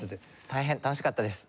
大変楽しかったです。